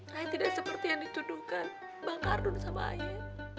saya tidak seperti yang dituduhkan bang kardun sama ayah